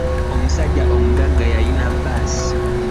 Omusajja omugagga yalina bbaasi.